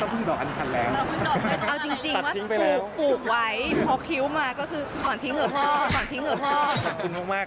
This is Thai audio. สวดมนต์คือสวดมนต์พอให้คิ้วเข้มก่อนถึงดก